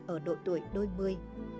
ở độ tuổi đôi mươi